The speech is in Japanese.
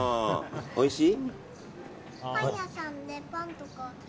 おいしい？